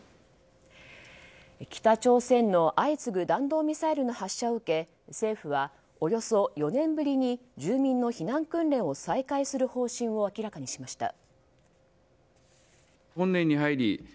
北朝鮮の相次ぐ弾道ミサイルの発射を受け政府はおよそ４年ぶりに住民の避難訓練を再開する方針を明らかにしました。